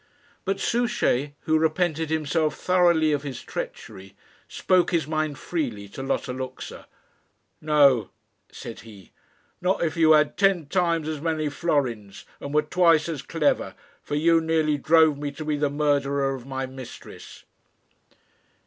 But Souchey, who repented himself thoroughly of his treachery, spoke his mind freely to Lotta Luxa. "No," said he, "not if you had ten times as many florins, and were twice as clever, for you nearly drove me to be the murderer of my mistress."